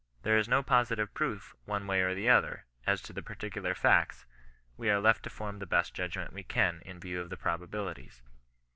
There is no positive proof one way or the other ; as to the particular facts, we are left to foim the best judg ment we can in view of the probabilities.